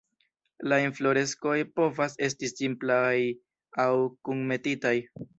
La infloreskoj povas esti simplaj aŭ kunmetitaj.